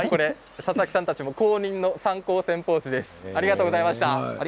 佐々木さんたちも公認の三江線ポーズです。